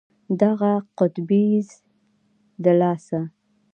د اغه قطبي يږ د لاسه.